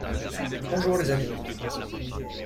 Bonjour les amis.